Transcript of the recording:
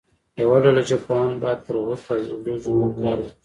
یوه ډله ژبپوهان باید پر غټو او اوږدو جملو کار وکړي.